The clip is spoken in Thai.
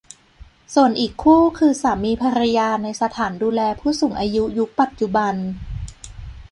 ส่วนอีกคู่คือสามีภรรยาในสถานดูแลผู้สูงอายุยุคปัจจุบัน